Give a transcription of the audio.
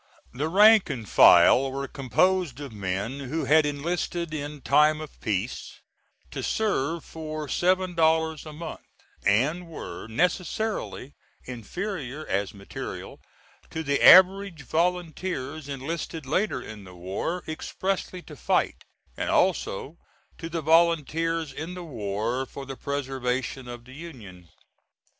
The rank and file were composed of men who had enlisted in time of peace, to serve for seven dollars a month, and were necessarily inferior as material to the average volunteers enlisted later in the war expressly to fight, and also to the volunteers in the war for the preservation of the Union.